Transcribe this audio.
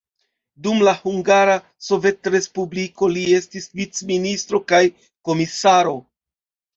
Dum la Hungara Sovetrespubliko li estis vicministro kaj komisaro.